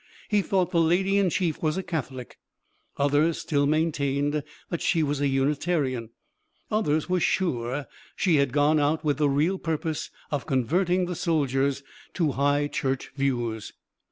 He thought the Lady in Chief was a Catholic; others still maintained that she was a Unitarian; others were sure she had gone out with the real purpose of converting the soldiers to High Church views.